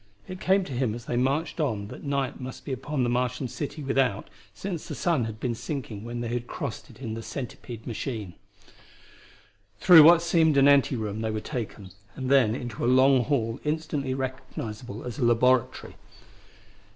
It came to him as they marched on that night must be upon the Martian city without, since the sun had been sinking when they had crossed it in the centipede machine. Through what seemed an ante room they were taken, and then into a long hall instantly recognizable as a laboratory.